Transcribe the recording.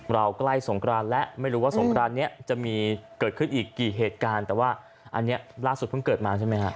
เราใกล้สงกรานแล้วไม่รู้ว่าสงครานนี้จะมีเกิดขึ้นอีกกี่เหตุการณ์แต่ว่าอันนี้ล่าสุดเพิ่งเกิดมาใช่ไหมฮะ